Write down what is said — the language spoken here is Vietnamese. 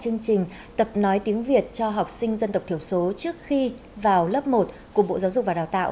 chương trình tập nói tiếng việt cho học sinh dân tộc thiểu số trước khi vào lớp một của bộ giáo dục và đào tạo